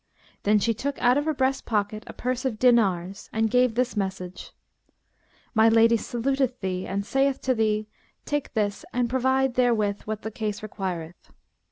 Then she took out of her breast pocket a purse of dinars and gave this message, 'My lady saluteth thee and saith to thee, 'Take this and provide therewith what the case requireth.'